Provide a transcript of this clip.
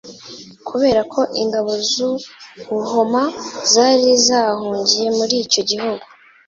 kubera ko Ingabo z'u Buhoma zari zahungiye muri icyo gihugu,